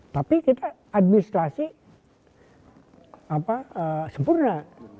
tapi kita administrasi sempurna